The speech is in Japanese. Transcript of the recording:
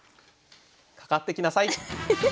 「かかって来なさい！」。